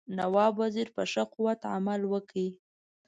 نواب وزیر په ښه قوت عمل وکړ.